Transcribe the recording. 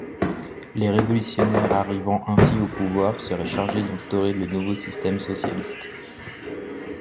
Les révolutionnaires arrivant ainsi au pouvoir seraient chargés d'instaurer le nouveau système socialiste.